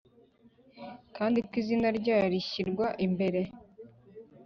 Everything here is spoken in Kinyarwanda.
kandi ko izina ryayo rishyirwa imbere